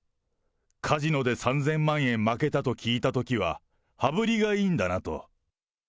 カジノで３０００万円負けたと聞いたときには、羽振りがいいんだなと。